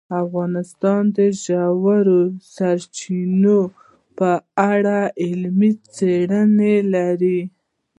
افغانستان د ژورې سرچینې په اړه علمي څېړنې لري.